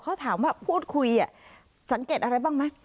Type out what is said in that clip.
เขาถามว่าพูดคุยสังเกตอะไรบ้างไหม